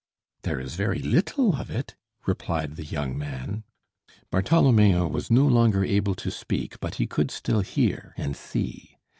"There is very little of it," replied the young man. Bartholomeo was no longer able to speak, but he could still hear and see.